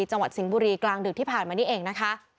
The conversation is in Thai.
สิงห์บุรีกลางดึกที่ผ่านมานี่เองนะคะ